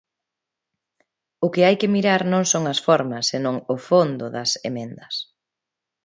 O que hai que mirar non son as formas, senón o fondo das emendas.